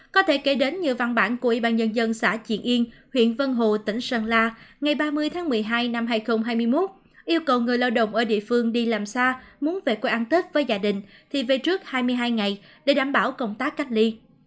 có thể kể đến như văn bản của ủy ban nhân dân xã triển yên huyện vân hồ tỉnh sơn la ngày ba mươi tháng một mươi hai năm hai nghìn hai mươi một yêu cầu người lao động ở địa phương đi làm xa muốn về quê ăn tết với gia đình thì về trước hai mươi hai ngày để đảm bảo công tác cách ly